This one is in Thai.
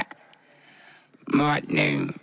หมวดหนึ่ง